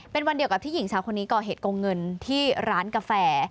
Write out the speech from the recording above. เป็นวันเดียวกับที่หญิงสาวคนนี้ก่อเหตุโกงเงินที่ร้านกาแฟ